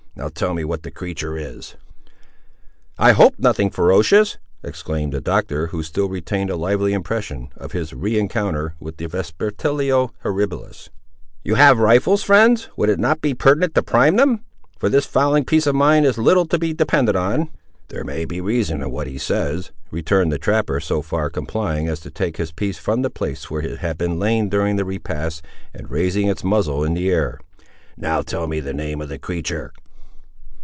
Now tell me what the creatur' is?" "I hope nothing ferocious!" exclaimed the Doctor, who still retained a lively impression of his rencounter with the vespertilio horribilis. "You have rifles, friends; would it not be prudent to prime them? for this fowling piece of mine is little to be depended on." "There may be reason in what he says," returned the trapper, so far complying as to take his piece from the place where it had lain during the repast, and raising its muzzle in the air. "Now tell me the name of the creatur'?"